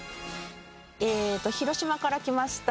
えーと広島から来ました